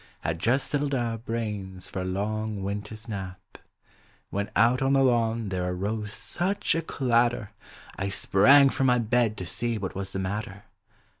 Had just settled our brains for a long winter's nap When out on the lawn there arose such a clatter. I sprang from my bed to see wnat was the mat ter.